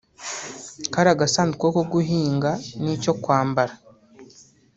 kari agasuka ko guhinga n’icyo kwambara